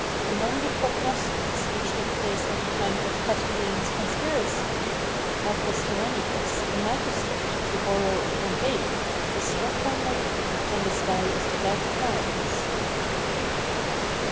Among the prognostics which took place at the time of Catiline's conspiracy, Marcus Herennius, a magistrate of the borough of Pompeii, was struck by lightning when the sky was without clouds.